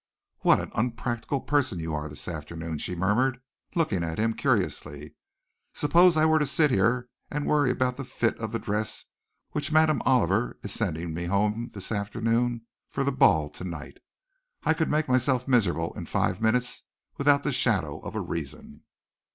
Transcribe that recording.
"What an unpractical person you are this afternoon!" she murmured, looking at him curiously. "Supposing I were to sit here and worry about the fit of the dress which Madame Oliver is sending me home this afternoon for the ball to night. I could make myself miserable in five minutes without the shadow of a reason."